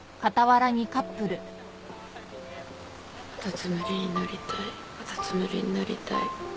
カタツムリになりたいカタツムリになりたい。